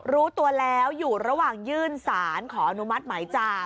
รู้ตัวแล้วอยู่ระหว่างยื่นสารขออนุมัติหมายจับ